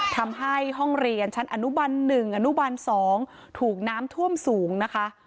ทำให้ห้องเรียนชั้นอนุบัน๑อนุบัน๒ถูกน้ำท่วมสูงนะคะ